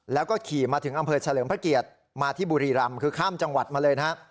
แล้วก็ขี่มาถึงอำเภอเฉลิมพระเกียรติมาที่บุรีรำคือข้ามจังหวัดมาเลยนะฮะ